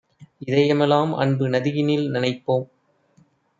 இதயமெலாம் அன்பு நதியினில் நனைப்போம்